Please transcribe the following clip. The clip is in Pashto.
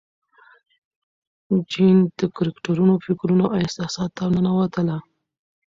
جین د کرکټرونو فکرونو او احساساتو ته ننوتله.